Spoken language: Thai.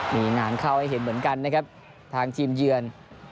มีงานเข้าให้เห็นเหมือนกันนะครับทางทีมเยือน